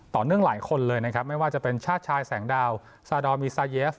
ต่อเนื่องหลายคนเลยนะครับไม่ว่าจะเป็นชาติชายแสงดาวซาดอลมีซาเยฟ